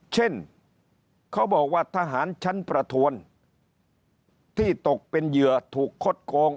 เช่นเขาบอกว่าทหารชั้นประทวนที่ตกเป็นเหยื่อถูกคดโกง